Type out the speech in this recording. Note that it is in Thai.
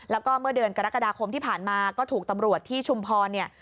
แล้วก็เมื่อเดือนกรกฎาคมที่ผ่านมาก็ถูกตำรวจที่ชุมพรเนี่ย